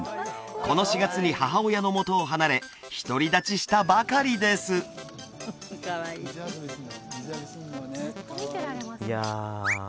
この４月に母親の元を離れ独り立ちしたばかりですいや